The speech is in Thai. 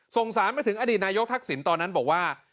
สารมาถึงอดีตนายกทักษิณตอนนั้นบอกว่า